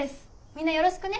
みんなよろしくね。